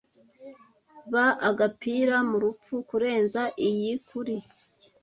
Ba agapira mu rupfu kurenza iyi, "kuri,